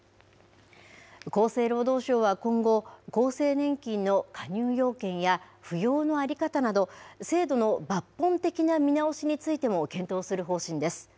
厚生労働省は今後、厚生年金の加入要件や、扶養の在り方など、制度の抜本的な見直しについても検討する方針です。